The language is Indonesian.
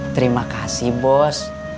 terima kasih bos